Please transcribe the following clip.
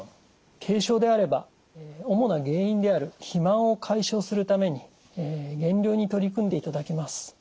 軽症であれば主な原因である肥満を解消するために減量に取り組んでいただきます。